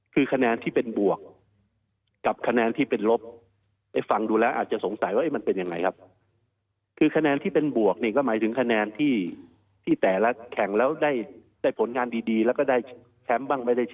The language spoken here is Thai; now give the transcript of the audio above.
คือคะแนนที่เป็นบวกกับคะแนนที่เป็นลบ